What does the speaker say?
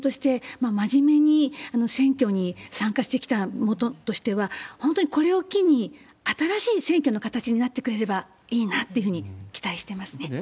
一国民として、まじめに選挙に参加してきた者としては、本当にこれを機に新しい選挙の形になってくれればいいなというふうに期待してますね。